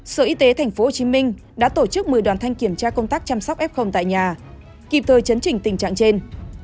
sở y tế tp hcm đã tổ chức một mươi đoàn thanh kiểm tra công tác chăm sóc f tại nhà kịp thời chấn trình tình trạng trên